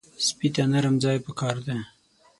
سپي ته نرم ځای پکار دی.